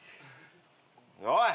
おい。